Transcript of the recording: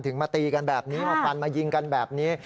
มาตีกันแบบนี้มาฟันมายิงกันแบบนี้